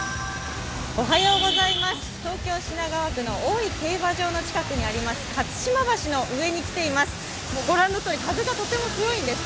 東京・品川区の大井競馬場近くにあります、橋の上に来ています。